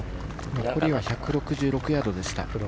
残り１６６ヤードでした。